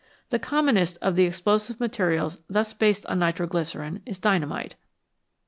The commonest of the explosive materials thus based on nitro glycerine is dynamite.